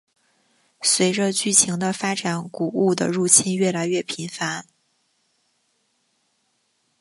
随着剧情的发展古物的入侵越来越频繁。